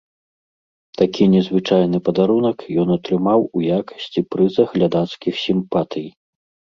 Такі незвычайны падарунак ён атрымаў у якасці прыза глядацкіх сімпатый.